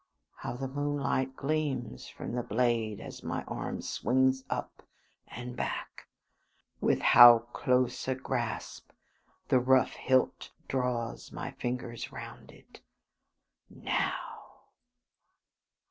How the moonlight gleams from the blade as my arm swings up and back: with how close a grasp the rough hilt draws my fingers round it. Now.